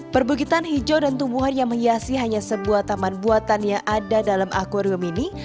perbukitan hijau dan tumbuhan yang menghiasi hanya sebuah taman buatan yang ada dalam akwarium ini